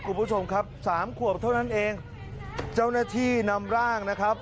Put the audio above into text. คุณผู้ชมครับสามขวบเท่านั้นเองเจ้าหน้าที่นำร่างนะครับ